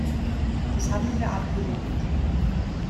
Das haben wir abgelehnt.